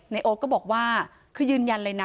โอ๊ตก็บอกว่าคือยืนยันเลยนะ